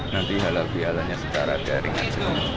nanti halal bihalanya setara taring saja